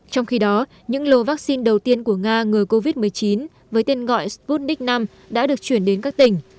trong khi đó những lồ vaccine đầu tiên của nga ngừa covid một mươi chín với tên gọi sputnik v đã được chuyển đến các tỉnh